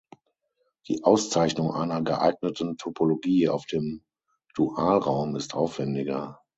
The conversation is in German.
Die Auszeichnung einer geeigneten Topologie auf dem Dualraum ist aufwändiger.